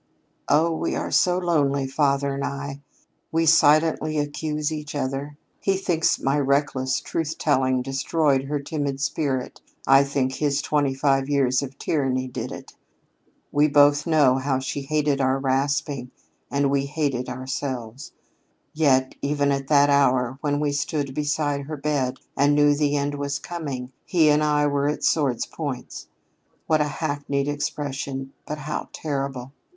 "Oh, we are so lonely, father and I. We silently accuse each other. He thinks my reckless truth telling destroyed her timid spirit; I think his twenty five years of tyranny did it. We both know how she hated our rasping, and we hate it ourselves. Yet, even at that hour when we stood beside her bed and knew the end was coming, he and I were at sword's points. What a hackneyed expression, but how terrible!